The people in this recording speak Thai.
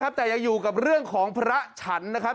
แต่ยังอยู่กับเรื่องของพระฉันนะครับ